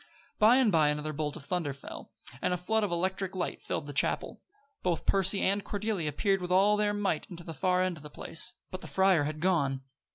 By and by another bolt of thunder fell, and a flood of electric light filled the chapel. Both Percy and Cordelia peered with all their might into the far end of the place; but the friar had gone!